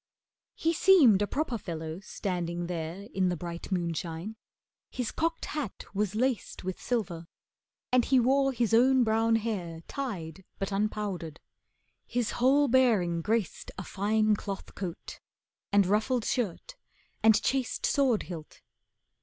He seemed a proper fellow standing there In the bright moonshine. His cocked hat was laced With silver, and he wore his own brown hair Tied, but unpowdered. His whole bearing graced A fine cloth coat, and ruffled shirt, and chased Sword hilt.